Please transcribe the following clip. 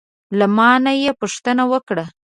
له ما نه یې پوښتنه وکړه: